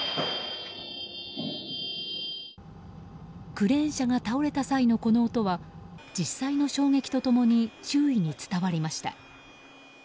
クレーン車が倒れた際のこの音は実際の衝撃と共に周囲に伝わりました。